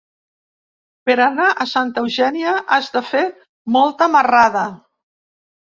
Per anar a Santa Eugènia has de fer molta marrada.